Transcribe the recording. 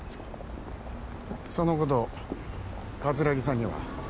そのこと桂木さんには？